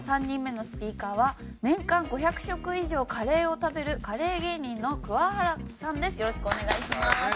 ３人目のスピーカーは年間５００食以上カレーを食べるカレー芸人の桑原さんです。